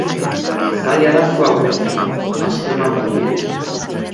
Zaila da zu agurtzea, asko eman baitiguzu.